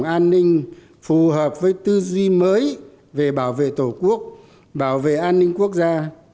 an ninh phù hợp với tư duy mới về bảo vệ tổ quốc bảo vệ an ninh quốc gia